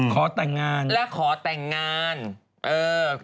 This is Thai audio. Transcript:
ขอแต่งงานว่ะแล้วขอแต่งงานครับใช่นะ